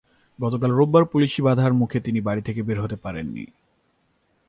গতকাল রোববার পুলিশি বাধার মুখে তিনি বাড়ি থেকে বের হতে পারেননি।